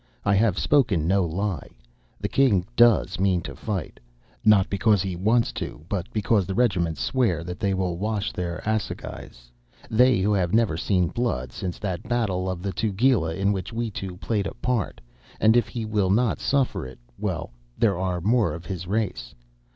I have spoken no lie. The king does mean to fight, not because he wants to, but because the regiments swear that they will wash their assegais; they who have never seen blood since that battle of the Tugela in which we two played a part, and if he will not suffer it, well, there are more of his race!